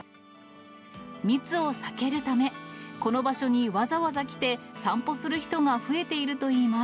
密を避けるため、この場所にわざわざ来て、散歩する人が増えているといいます。